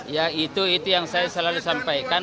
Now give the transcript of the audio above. ya itu yang saya selalu sampaikan